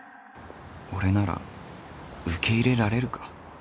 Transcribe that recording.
俺なら受け入れられるか？